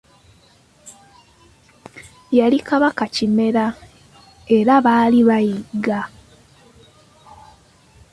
Yali Kabaka Kimera era baali bayigga.